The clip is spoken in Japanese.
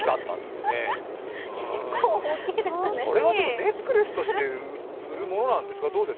うんこれはネックレスとして売るものなんですか？